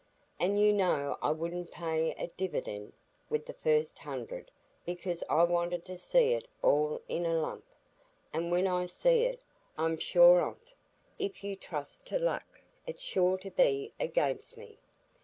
"And you know I wouldn't pay a dividend with the first hundred, because I wanted to see it all in a lump,—and when I see it, I'm sure on't. If you trust to luck, it's sure to be against me.